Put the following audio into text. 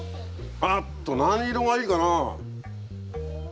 あっと何色がいいかな。